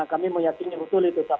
kami meyakini betul itu